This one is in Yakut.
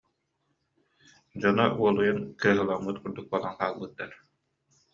Дьоно уолуйан кыаһыламмыт курдук буолан хаалбыттар